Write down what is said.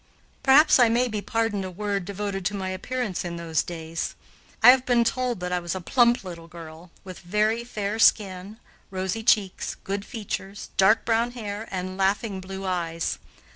Perhaps I may be pardoned a word devoted to my appearance in those days. I have been told that I was a plump little girl, with very fair skin, rosy cheeks, good features, dark brown hair, and laughing blue eyes.